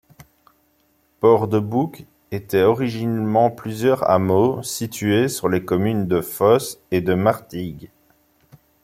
Port-de-Bouc était originellement plusieurs hameaux situés sur les communes de Fos et de Martigues.